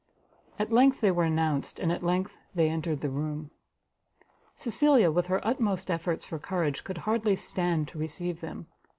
At length they were announced, and at length they entered the room. Cecilia, with her utmost efforts for courage, could hardly stand to receive them.